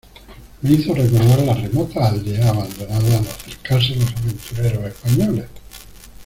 me hizo recordar las remotas aldeas abandonadas al acercarse los aventureros españoles.